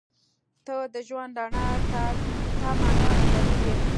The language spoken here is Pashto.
• ته د ژوند رڼا ته تمه نه، دلیل یې.